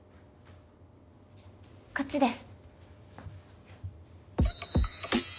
こっちです。